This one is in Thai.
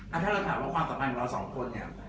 ถ้าเราถามว่าความสัมพันธ์ของเราสองคนเนี่ย